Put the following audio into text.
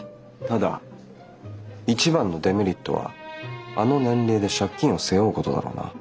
ただ一番のデメリットはあの年齢で借金を背負うことだろうな。